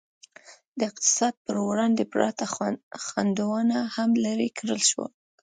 د اقتصاد پر وړاندې پراته خنډونه هم لرې کړل شول.